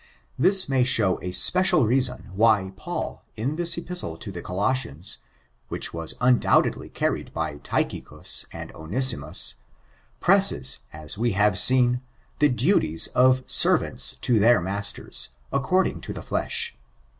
This may show a special reason, why Paul, in this epistle to the Colossians, which was undoubtedly carried by Tychicus and Onesimus, presses, as we have seen, the duties of servants to their masters, according to the flesh.